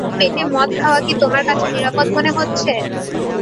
খালি পেটে মদ খাওয়া কী তোমার কাছে নিরাপদ মনে হচ্ছে?